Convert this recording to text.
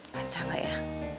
baca gak ya